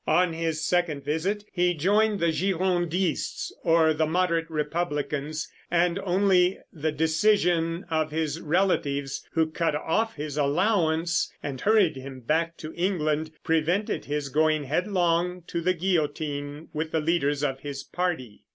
On his second visit he joined the Girondists, or the moderate Republicans, and only the decision of his relatives, who cut off his allowance and hurried him back to England, prevented his going headlong to the guillotine with the leaders of his party.